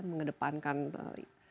mengedepankan tujuan bersejarah